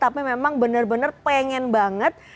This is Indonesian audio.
tapi memang benar benar pengen banget